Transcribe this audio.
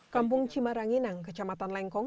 kampung cimaranginang kecamatan lengkong